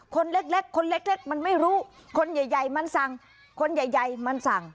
คนเล็กคนเล็กมันไม่รู้คนใหญ่มันสั่งคนใหญ่มันสั่ง